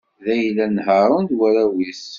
D ayla n Haṛun d warraw-is.